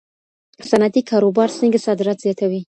صنعتي کاروبار څنګه صادرات زیاتوي؟